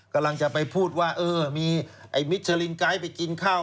กำลังจะไปพูดว่าเออมีไอ้มิชลินไกด์ไปกินข้าว